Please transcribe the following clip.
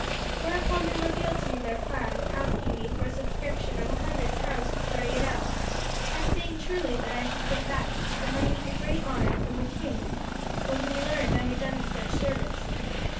Whereupon they revealed to me their plan, asking me for a subscription of a hundred pounds to carry it out, and saying truly that I should get back the money and great honour from the king when he learned I had done him such service.